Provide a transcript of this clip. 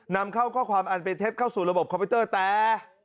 นำเข้าข้อความอันเป็นเท็จเข้าสู่ระบบคอมพิวเตอร์แต่